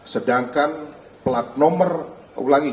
sedangkan plat nomor ulangi